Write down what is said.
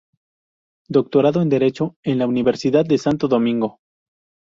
Doctorado en derecho en la Universidad de Santo Domingo.